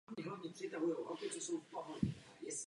Zároveň začalo vrtání studní na Golanských výšinách.